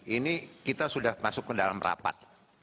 ini kita sudah masuk ke dalam rapat